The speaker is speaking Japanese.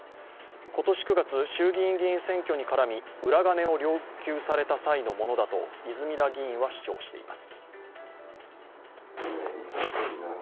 今年９月、衆議院議員選挙に絡み裏金を要求された際のものだと泉田議員は主張しています。